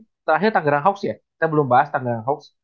setelahnya tanggerang hawks ya kita belum bahas tanggerang hawks